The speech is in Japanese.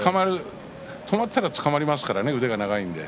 止まったらつかまりますからね腕が長いんで。